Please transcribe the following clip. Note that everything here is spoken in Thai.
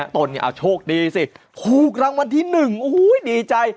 ตนเนี่ยโอ้โฮโชคดีสิโอ้โฮรางวัลที่หนึ่งโอ้โฮดีใจ